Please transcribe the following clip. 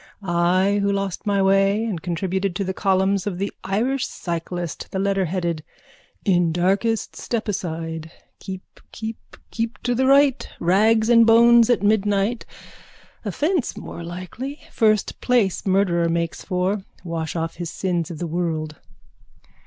I who lost my way and contributed to the columns of the Irish Cyclist the letter headed In darkest Stepaside. Keep, keep, keep to the right. Rags and bones at midnight. A fence more likely. First place murderer makes for. Wash off his sins of the world.